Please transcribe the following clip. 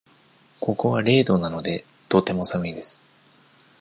ここは零度なので、とても寒いです。